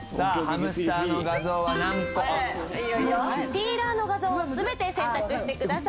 ピーラーの画像を全て選択してください。